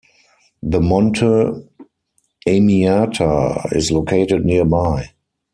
The Monte Amiata is located nearby.